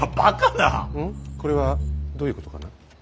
これはどういうことかな。